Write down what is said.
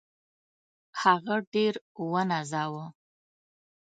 هغه ډېر ونازاوه.